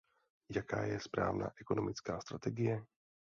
Jaká je správná ekonomická strategie?